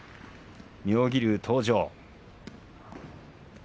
妙義龍と登場。